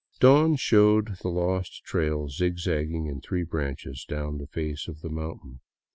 Dawn showed the lo^t trail zigzagging in three branches down the face of the mountain.